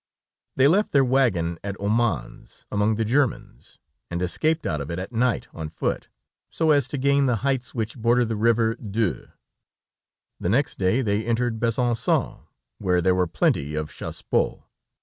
They left their wagon at Omans, among the Germans, and escaped out of it at night on foot, so as to gain the heights which border the river Doubs; the next day they entered Besançon, where there were plenty of Chassepots.